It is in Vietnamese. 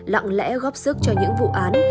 lặng lẽ góp sức cho những vụ án